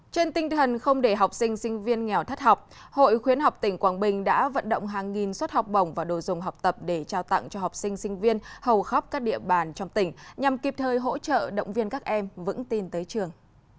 trên tinh thần không để học sinh sinh viên nghèo thất học hội khuyến học tỉnh quảng bình đã vận động hàng nghìn suất học bổng và đồ dùng học tập để trao tặng cho học sinh sinh viên hầu khắp các địa bàn trong tỉnh nhằm kịp thời hỗ trợ động viên các em vững tin tới trường